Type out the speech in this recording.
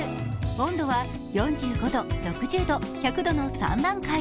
温度は４５度、６０度１００度の３段階。